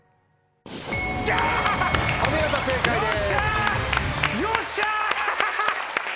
お見事正解です。